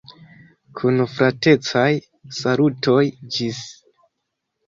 Kun fratecaj salutoj, ĝis!